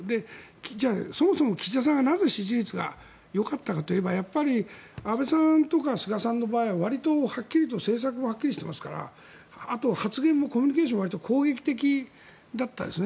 じゃあ、そもそも岸田さんがなぜ支持率がよかったかといったらやっぱり安倍さんとか菅さんの場合は割とはっきりと政策もはっきりしていますからあと、発言もコミュニケーションがわりと攻撃的だったですね。